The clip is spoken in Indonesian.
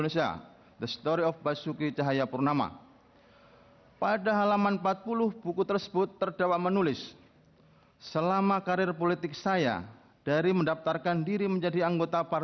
sekira pukul delapan tiga puluh waktu indonesia barat